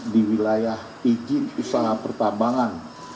di wilayah izin usaha pertambangan